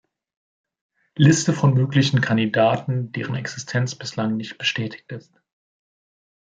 Liste von möglichen Kandidaten, deren Existenz bislang nicht bestätigt ist.